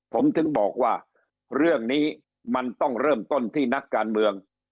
ผมถึงบอกว่าเรื่องนี้มันต้องเริ่มต้นที่นักการเมือง